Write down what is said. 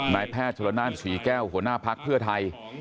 นายแพทย์ชุลนานศรีแก้วหัวหน้าภักดิ์เพื่อไทย